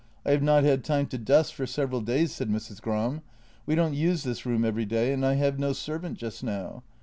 I have not had time to dust for several days," said Mrs. Gram. " We don't use this room every day, and I have no servant just now.